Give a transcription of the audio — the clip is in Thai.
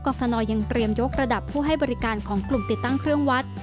ฟนยังเตรียมยกระดับผู้ให้บริการของกลุ่มติดตั้งเครื่องวัด